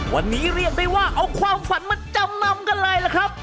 วันนี้เรียกได้ว่าเอาความฝันมาจำนำกันเลยล่ะครับ